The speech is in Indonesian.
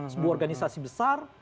sebuah organisasi besar